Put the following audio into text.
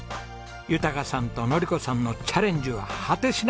豊さんと典子さんのチャレンジは果てしなく続きます。